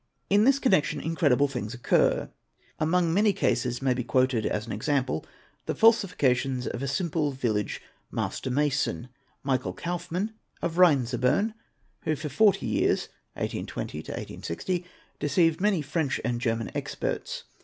In this connection incredible things occur. Among many cases may be quoted as an example the falsifications of a simple village master mason, Michael Kaufmann of Rheinzabern, who for 40 years (1820— 1860) deceived many French and German experts.